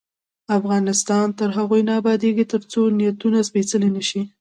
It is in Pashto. افغانستان تر هغو نه ابادیږي، ترڅو نیتونه سپیڅلي نشي.